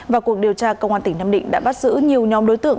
và cuộc điều tra công an tỉnh nam định đã bắt giữ nhiều nhóm đối tượng